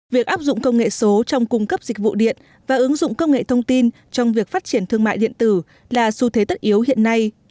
việc áp dụng công nghệ số trong cung cấp dịch vụ điện và ứng dụng công nghệ thông tin trong việc phát triển thương mại điện tử là xu thế tất yếu hiện nay